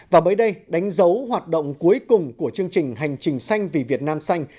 và mới đây đánh dấu hoạt động cuối cùng của chương trình hành trình xanh vì việt nam xanh